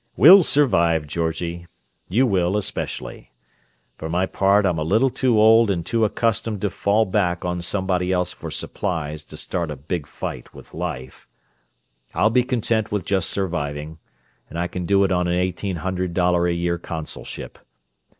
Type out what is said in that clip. "We'll survive, Georgie—you will, especially. For my part I'm a little too old and too accustomed to fall back on somebody else for supplies to start a big fight with life: I'll be content with just surviving, and I can do it on an eighteen hundred dollar a year consulship.